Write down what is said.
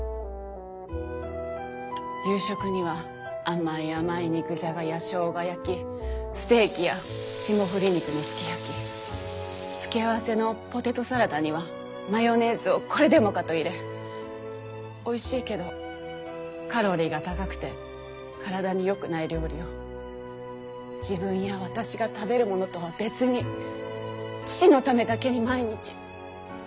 夕食には甘い甘い肉じゃがやしょうが焼きステーキや霜降り肉のすき焼き付け合わせのポテトサラダにはマヨネーズをこれでもかと入れおいしいけどカロリーが高くて体によくない料理を自分や私が食べるものとは別に父のためだけに毎日。